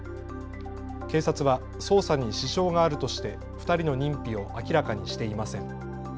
警察は捜査に支障があるとして２人の認否を明らかにしていません。